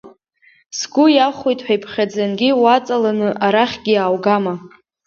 Сгәы иахәоит ҳәа иԥхьаӡангьы уаҵаланы арахьгьы иааугама?